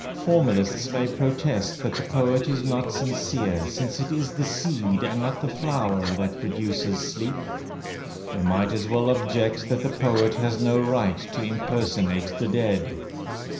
Formalists may protest that the poet is not sincere, since it is the seed and not the flower that produces sleep. They might as well object that the poet has no right to impersonate the dead.